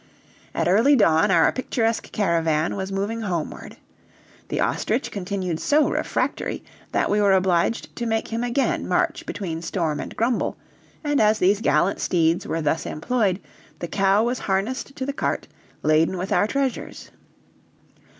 At early dawn our picturesque caravan was moving homeward. The ostrich continued so refractory that we were obliged to make him again march between Storm and Grumble, and as these gallant steeds were thus employed, the cow was harnessed to the cart, laden with our treasures.